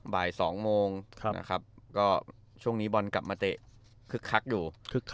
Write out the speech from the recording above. บ่าย๒โมงช่วงนี้บอลกลับมาเตะคึกคักอยู่